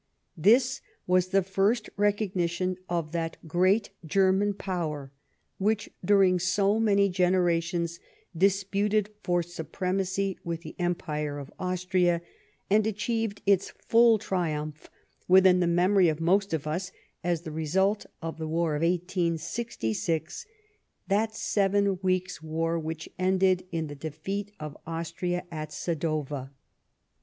This was the first recog nition of that great German power which, during so many generations, disputed for supremacy with the empire of Austria, and achieved its full triumph within the memory of most of us as the result of the war of 1866, that seven weeks' war which ended in the defeat of Austria at Sadowa.